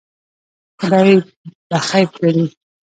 خدای به خیر کړي.